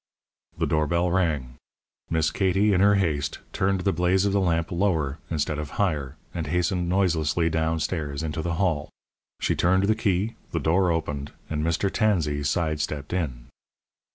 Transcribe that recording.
The door bell rang. Miss Katie, in her haste, turned the blaze of the lamp lower instead of higher, and hastened noiselessly down stairs into the hall. She turned the key, the door opened, and Mr. Tansey side stepped in.